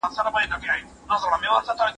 خلک د سرطان په اړه زیات پوهېدلي دي.